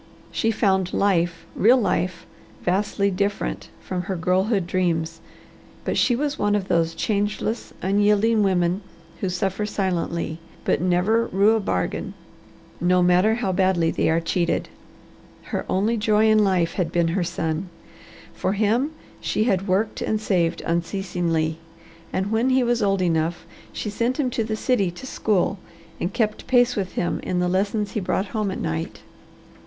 She found life, real life, vastly different from her girlhood dreams, but she was one of those changeless, unyielding women who suffer silently, but never rue a bargain, no matter how badly they are cheated. Her only joy in life had been her son. For him she had worked and saved unceasingly, and when he was old enough she sent him to the city to school and kept pace with him in the lessons he brought home at night.